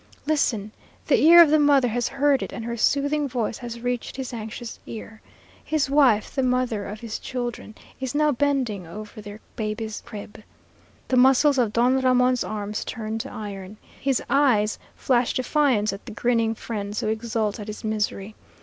Listen! The ear of the mother has heard it, and her soothing voice has reached his anxious ear. His wife the mother of his children is now bending over their baby's crib. The muscles of Don Ramon's arms turn to iron. His eyes flash defiance at the grinning fiends who exult at his misery.